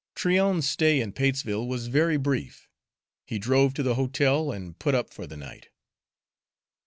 Tryon's stay in Patesville was very brief. He drove to the hotel and put up for the night.